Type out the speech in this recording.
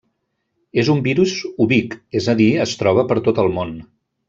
És un virus ubic, és a dir, es troba per tot el món.